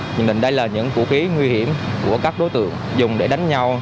nhưng đây là những vũ khí nguy hiểm của các đối tượng dùng để đánh nhau